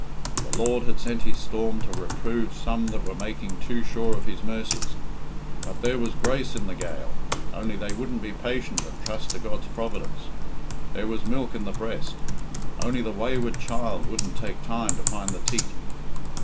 "The Lord had sent His storm to reprove some that were making too sure of His mercies; but there was grace in the gale, only they wouldn't be patient and trust to God's providence; there was milk in the breast, only the wayward child wouldn't take time to find the teat.